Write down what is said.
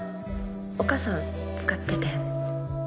お母さん使ってたよね